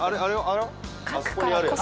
あそこにあるやつ。